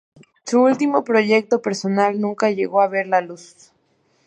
Su último proyecto personal nunca llegó a ver la luz.